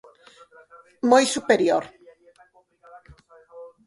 Moi superior.